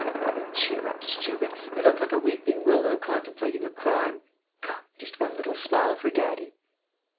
Why, cheer up, stupid! You look like a weeping willow contemplating a crime. Come, just one little smile for daddy!"